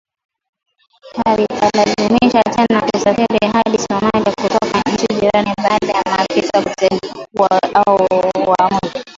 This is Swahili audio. havitalazimika tena kusafiri hadi Somalia kutoka nchi jirani baada ya maafisa kutengua uamuzi